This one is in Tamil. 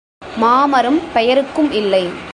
மாமரம் பெயருக்கும் இல்லை.